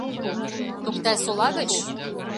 — Токтай-Сола гыч?!